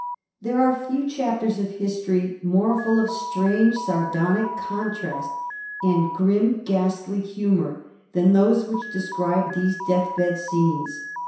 There are few chapters of history more full of strange, sardonic contrast, and grioi, ghastly humor, than those which describe these death bed scenes.